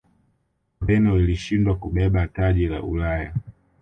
ureno ilishindwa kubeba taji la ulaya